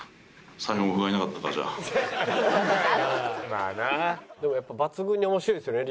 「まあな」でもやっぱ抜群に面白いですね